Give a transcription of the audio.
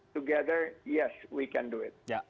bersama ya kita bisa melakukannya